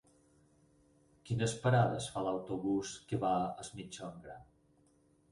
Quines parades fa l'autobús que va a Es Migjorn Gran?